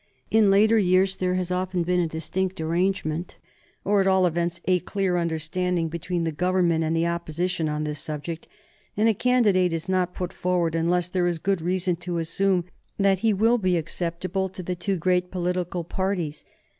In later years there has often been a distinct arrangement, or, at all events, a clear understanding, between the Government and the Opposition on this subject, and a candidate is not put forward unless there is good reason to assume that he will be acceptable to the two great political parties.